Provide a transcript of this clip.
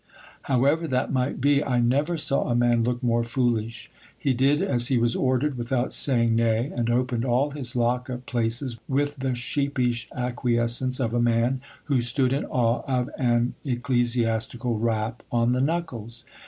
However that might be, I never saw a man look more foolish. He did as he was ordered without saying nay ; and opened all his lock up places with the sheepish acquiescence of a man, who stood in awe of an ecclesiastical rap on the knuckles.